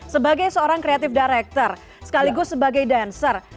sebagai seorang kreatif direktur sekaligus sebagai dancer